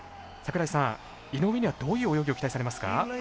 井上には、どういう泳ぎを期待されますか？